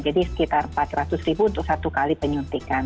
jadi sekitar rp empat ratus untuk satu kali penyuntikan